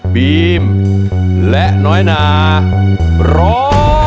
บีมและน้อยนาร้อง